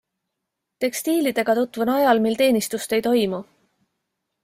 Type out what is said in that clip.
Tekstiilidega tutvun ajal, mil teenistust ei toimu.